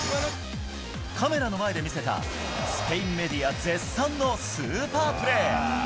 カメラの前で見せた、スペインメディア絶賛のスーパープレー。